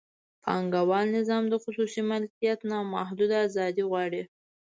پانګوال نظام د خصوصي مالکیت نامحدوده ازادي غواړي.